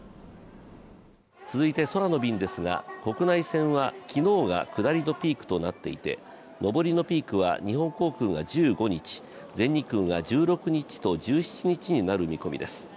続いて空の便ですが、国内線は昨日が下りのピークとなっていて上りのピークは日本航空が１５日、全日空が１６日と１７日になる見込みです。